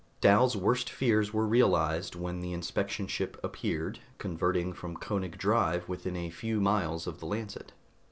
Dal's worst fears were realized when the inspection ship appeared, converting from Koenig drive within a few miles of the Lancet.